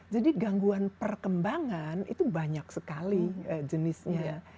jadi gangguan perkembangan itu banyak sekali jenisnya